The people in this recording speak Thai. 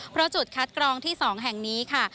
เพราะจุดคัดกรองที่๒แห่งนี้ค่ะ